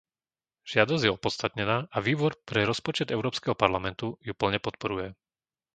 Žiadosť je opodstatnená a Výbor pre rozpočet Európskeho parlamentu ju plne podporuje.